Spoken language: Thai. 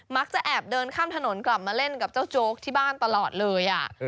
แอบเดินข้ามถนนกลับมาเล่นกับเจ้าโจ๊กที่บ้านตลอดเลย